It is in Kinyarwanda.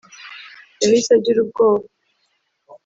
yahise agira ubwoba.